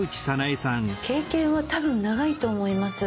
経験は多分長いと思います。